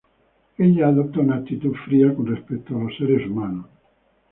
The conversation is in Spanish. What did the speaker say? Ella adopta una actitud fría con respecto a los seres humanos.